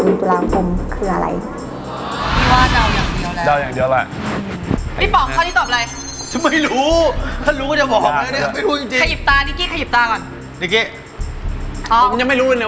ตุลาคมคืออะไร